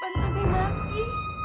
kepada siapa saya harus mengadu